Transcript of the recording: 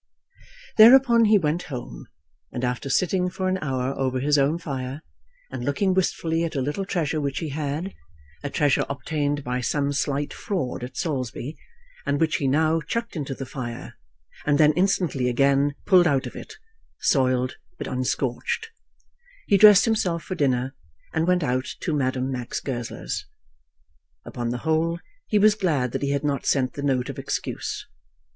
Thereupon he went home, and after sitting for an hour over his own fire, and looking wistfully at a little treasure which he had, a treasure obtained by some slight fraud at Saulsby, and which he now chucked into the fire, and then instantly again pulled out of it, soiled but unscorched, he dressed himself for dinner, and went out to Madame Max Goesler's. Upon the whole, he was glad that he had not sent the note of excuse.